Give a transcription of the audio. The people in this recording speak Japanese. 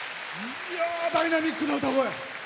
ダイナミックな歌声！